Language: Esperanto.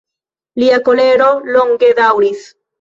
Lia kolero longe daŭris.